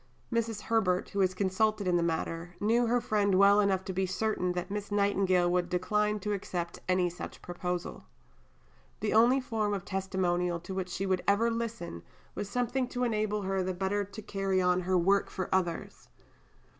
Mrs. Herbert, who was consulted in the matter, knew her friend well enough to be certain that Miss Nightingale would decline to accept any such proposal. The only form of testimonial to which she would ever listen was something to enable her the better to carry on her work for others.